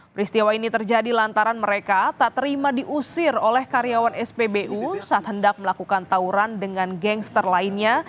peristiwa ini terjadi lantaran mereka tak terima diusir oleh karyawan spbu saat hendak melakukan tawuran dengan gangster lainnya